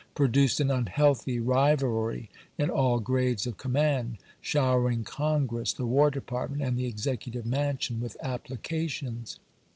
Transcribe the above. produced an unhealthy rivalry in all grades of com mand, showering Congress, the War Department, and the Executive Mansion with applications.